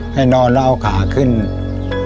ให้นอนแล้วเอาขาขึ้นพักนึงมันก็หายจริงอย่างที่หมอบอก